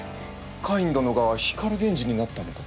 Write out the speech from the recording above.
カイン殿が光源氏になったのか？